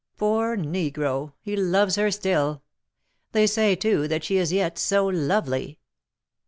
"Poor negro! he loves her still. They say, too, that she is yet so lovely!"